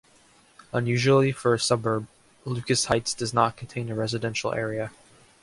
Unusually for a suburb, Lucas Heights does not contain a residential area.